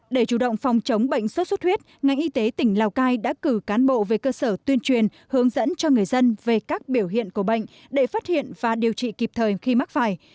để chủ động phòng chống bệnh sốt xuất huyết ngành y tế tỉnh lào cai đã cử cán bộ về cơ sở tuyên truyền hướng dẫn cho người dân về các biểu hiện của bệnh để phát hiện và điều trị kịp thời khi mắc phải